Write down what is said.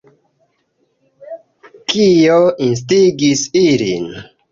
Kio instigis ilin?